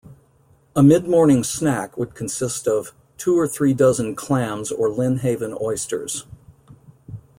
A mid-morning snack would consist of "two or three dozen clams or Lynnhaven oysters".